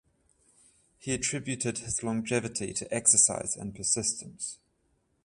He attributed his longevity to exercise and persistence.